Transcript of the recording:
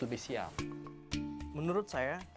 lebih siap menurut saya